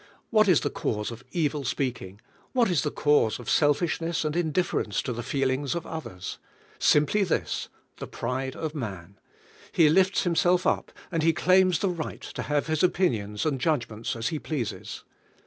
What is the cause of evil speaking? What is the cause of selfishness and indifference to the feelings of others? Simply this: the pride of man. He lifts himself up, and he claims the right to have his opinions and judgments as he pleases.